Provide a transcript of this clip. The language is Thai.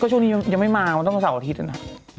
ช่วงนี้ยังไม่มามันต้องเสาร์อาทิตย์นะ